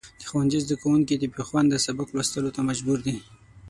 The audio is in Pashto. د ښوونځي زدهکوونکي د بېخونده سبق لوستلو ته مجبور دي.